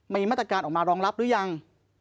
มีมาตรการออกมารองรับหรือยัง